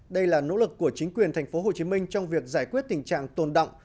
đây là nỗ lực của chính quyền thành phố hồ chí minh trong việc giải quyết tình trạng tồn đọng